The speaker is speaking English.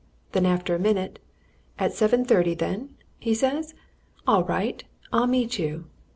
Then, after a minute, "At seven thirty, then?" he says. "All right I'll meet you."